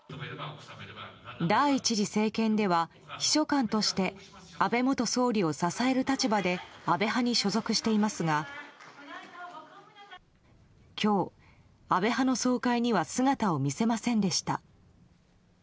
第１次政権では秘書官として安倍元総理を支える立場で安倍派に所属していますが今日、安倍派の総会には姿を見せませんでした。